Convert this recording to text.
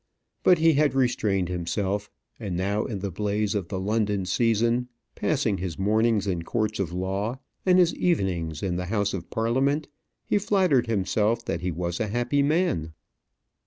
But he had restrained himself; and now in the blaze of the London season, passing his mornings in courts of law and his evenings in the House of Parliament, he flattered himself that he was a happy man.